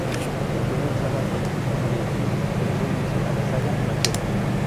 Fue lanzada como secuela del film que dio inicio a la saga "Machete".